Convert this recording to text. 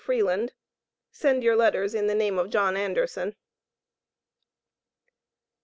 FREELAND Send your Letters in the name of John Anderson.